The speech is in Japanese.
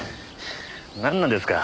なんなんですか？